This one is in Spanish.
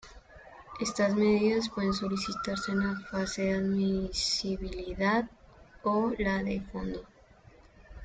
Estas medidas pueden solicitarse en la fase de admisibilidad o la de fondo.